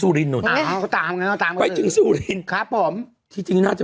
แต่ก็ตามที่มีข่าวพวกนี้ไปหมดค่ะ